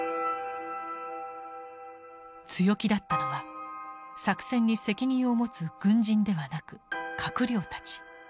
強気だったのは作戦に責任を持つ軍人ではなく閣僚たち。